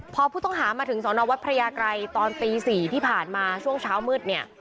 พอผู้ต้องหามาถึงสอนอวัดพระยากรัยตอนตี๔ที่ผ่านมาช่วงเช้ามืดเนี่ย